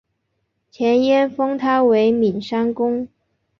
前燕封他为岷山公。